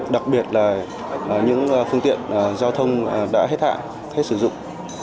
đặc biệt là những phương tiện giao thông đã hết hạn hết sử dụng